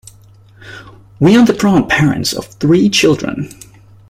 We are the proud parents of three children.